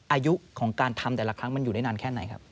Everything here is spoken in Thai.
อายุของการทำแต่ละครั้งมันอยู่ได้นานแค่ไหนครับ